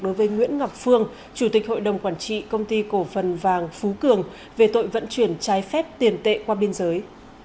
đối với nguyễn ngọc phương chủ tịch hội đồng quản trị công ty cổ phần vàng phú cường về tội vận chuyển trái phép tiền tệ qua biên giới